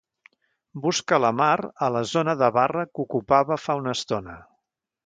Busca la Mar a la zona de barra que ocupava fa una estona.